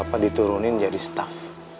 bapak diturunin jadi staff